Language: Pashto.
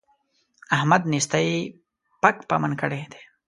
احمد نېستۍ پک پمن کړی دی.